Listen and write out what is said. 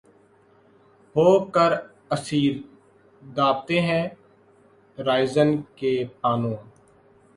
ہو کر اسیر‘ دابتے ہیں‘ راہزن کے پانو